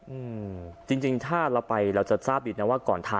อืมจริงจริงถ้าเราไปเราจะทราบดีนะว่าก่อนทำ